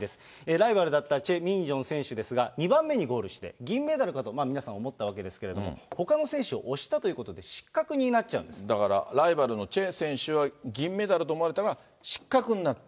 ライバルだったチェ・ミンジョン選手ですが、２番目にゴールして、銀メダルだと皆さん、思ったわけですけれども、ほかの選手を押したということで失格にだからライバルのチェ選手は銀メダルと思われたが、失格になった。